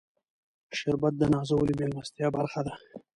شربت د نازولې میلمستیا برخه ده